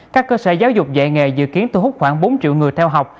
các cơ sở giáo dục dạy nghề dự kiến thu hút khoảng bốn triệu người theo học